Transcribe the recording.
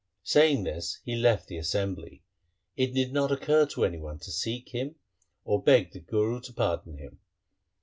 Saying this he left the assembly. It did not occur to any one to seek him or beg the Guru to pardon him.